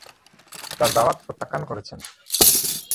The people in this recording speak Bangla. তার দাওয়াত প্রত্যাখ্যান করেছে।